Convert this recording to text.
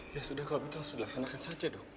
ya sudah kalau gitu langsung dilaksanakan saja dok